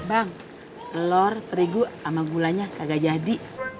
bang telur terigu sama gulanya agak jadi